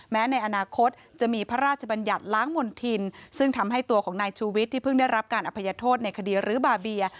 ในอนาคตจะมีพระราชบัญญัติล้างมณฑินซึ่งทำให้ตัวของนายชูวิทย์ที่เพิ่งได้รับการอภัยโทษในคดีรื้อบาเบีย